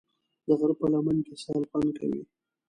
د غره په لمن کې سیل خوند کوي.